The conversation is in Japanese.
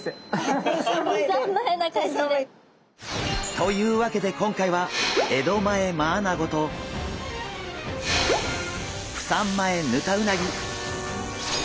というわけで今回は江戸前マアナゴとプサン前ヌタウナギ！